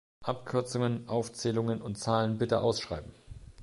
Abkürzungen, Aufzählungen und Zahlen bitte ausschreiben!